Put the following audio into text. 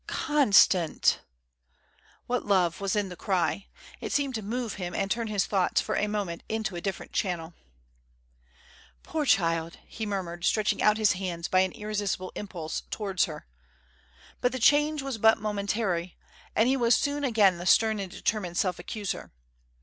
"Constant!" What love was in the cry! It seemed to move him and turn his thoughts for a moment into a different channel. "Poor child!" he murmured, stretching out his hands by an irresistible impulse towards her. But the change was but momentary, and he was soon again the stern and determined self accuser.